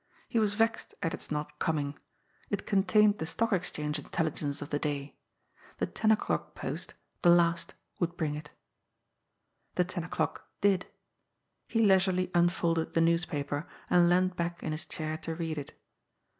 He was vexed at its not coming ; it con tained the Stock Exchange Intelligence of the day. The ten o'clock post — the last — ^would bring it. The ten o'clock did. He leisurely unfolded the news paper and leant back in his chair to read it.